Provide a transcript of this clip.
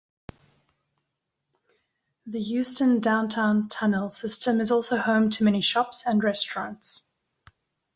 The Houston Downtown Tunnel System is also home to many shops and restaurants.